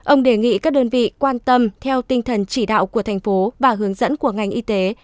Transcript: ông đề nghị các đơn vị quan tâm theo tinh thần chỉ đạo của thành phố và hướng dẫn của ngành y tế